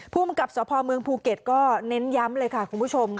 ภูมิกับสพเมืองภูเก็ตก็เน้นย้ำเลยค่ะคุณผู้ชม